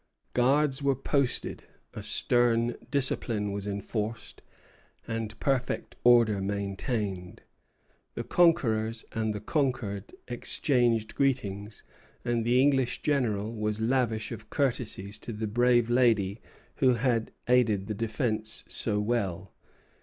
Guards were posted, a stern discipline was enforced, and perfect order maintained. The conquerors and the conquered exchanged greetings, and the English general was lavish of courtesies to the brave lady who had aided the defence so well.